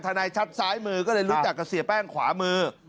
นายชัดซ้ายมือก็เลยรู้จักกับเสียแป้งขวามือ